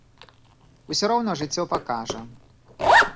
Усё роўна жыццё пакажа.